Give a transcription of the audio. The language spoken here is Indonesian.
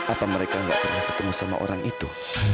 apa mereka gak pernah ketemu sama orang itu